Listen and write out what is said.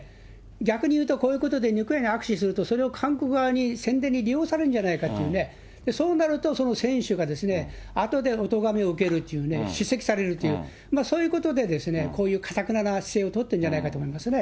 逆に言うと、こういうことで、にこやかに握手すると、それを韓国側に、宣伝に利用されるんじゃないかというね、そうなるとその選手があとでおとがめを受けるというね、叱責されるという、そういうことで、こういう頑なな姿勢を取ってるんじゃないかと思いますね。